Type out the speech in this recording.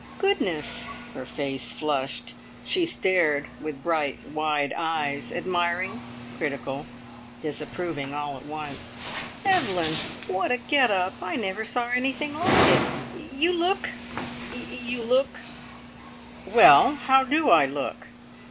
"Goodness!" Her face flushed, she stared with wide, bright eyes; admiring, critical, disapproving, all at once. "Evelyn, what a get up! I never saw anything like it. You look you look " "Well! How do I look?"